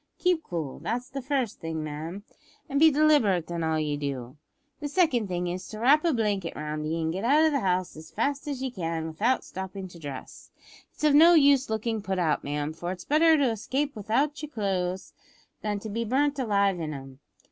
Keep cool. That's the first thing, ma'am; and be deliberate in all ye do. The second thing is, to wrap a blanket round ye, an' get out of the house as fast as ye can without stoppin' to dress. It's of no use lookin' put out, ma'am; for it's better to escape without yer clo'es than to be burnt alive in 'em.